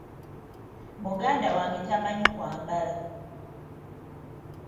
Muganda wange tamanyi kwambala.